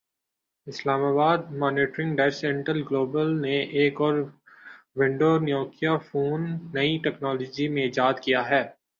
اسلام آباد monitoring desk Intel global نے ایک اور ونڈو نوکیا فون نئی ٹیکنالوجی میں ایجاد کیا ہے